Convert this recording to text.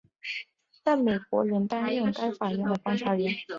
但美国仍担任该法院的观察员。